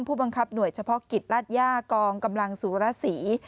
ผู้บังคับหน่วยเฉพาะกิจราชย่ากองกำลังสุรสี